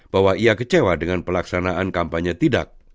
bahwa ia kecewa dengan pelaksanaan kampanye tidak